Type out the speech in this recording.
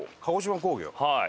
はい。